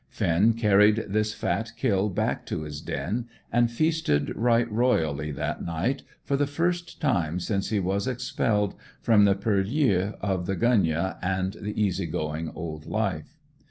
Finn carried this fat kill back to his den, and feasted right royally that night for the first time since he was expelled from the purlieus of the gunyah and the easy going old life.